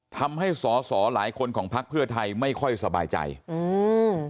ทำให้สอสอหลายคนของพักเพื่อไทยไม่ค่อยสบายใจอืม